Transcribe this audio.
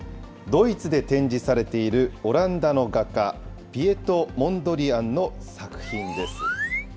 ドイツで展示されているオランダの画家、ピエト・モンドリアンの作品です。